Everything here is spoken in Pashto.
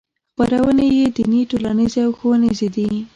خپرونې یې دیني ټولنیزې او ښوونیزې دي.